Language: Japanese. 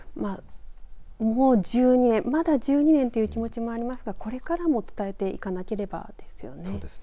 もう１２年まだ１２年という気持ちもありますがこれからも伝えていかなければですよね。